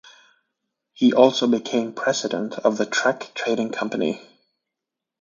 He also became president of the Truk Trading Company.